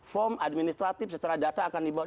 form administratif secara data akan dibawa